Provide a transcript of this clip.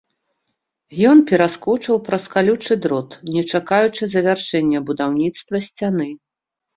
Ён пераскочыў праз калючы дрот, не чакаючы завяршэння будаўніцтва сцяны.